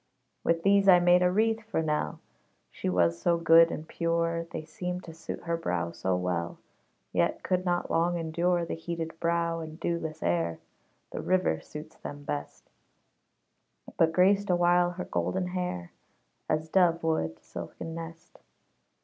With these I made a wreath for Nell. She was so good and pure, They seemed to suit her brow so well, Yet could not long endure The heated brow and dewless air The river suits them best; But graced awhile her golden hair, As dove would silken nest.